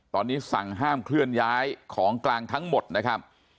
ตอนนี้สั่งห้ามเคลื่อนย้ายของกลางทั้งหมดนะครับ